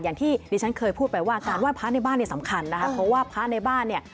อย่างที่ดิฉันเคยพูดไปว่าการไห้พระในบ้านเนี่ยสำคัญนะคะเพราะว่าพระในบ้านเนี่ย